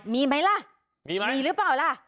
มีไหมล่ะมีหรือเปล่าล่ะ